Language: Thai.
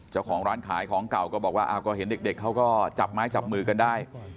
เจ้าของร้านขายของเก่าก็บอกว่าก็เห็นเด็กเขาก็จับไม้จับมือกันได้